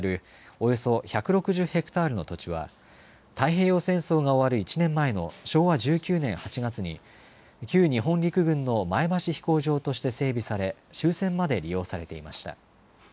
およそ１６０ヘクタールの土地は、太平洋戦争が終わる１年前の昭和１９年８月に、旧日本陸軍の前橋飛行場として整備され、終戦まで利用されていました。